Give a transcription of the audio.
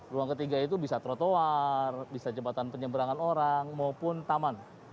ruang ketiga itu bisa trotoar bisa jembatan penyeberangan orang maupun taman